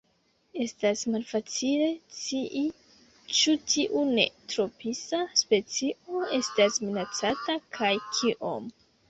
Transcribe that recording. Estas malfacile scii ĉu tiu neotropisa specio estas minacata kaj kiom.